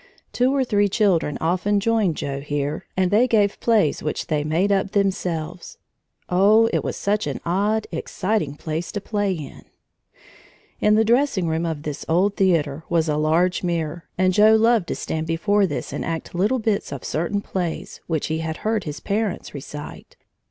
Two or three children often joined Joe here, and they gave plays which they made up themselves. Oh, it was such an odd, exciting place to play in! In the dressing room of this old theater was a large mirror, and Joe loved to stand before this and act little bits of certain plays which he had heard his parents recite.